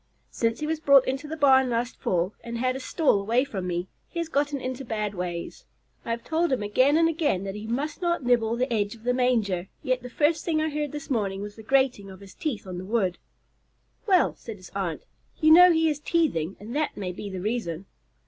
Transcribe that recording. "Since he was brought into the barn last fall and had a stall away from me, he has gotten into bad ways. I have told him again and again that he must not nibble the edge of the manger, yet the first thing I heard this morning was the grating of his teeth on the wood." "Well," said his aunt, "you know he is teething, and that may be the reason."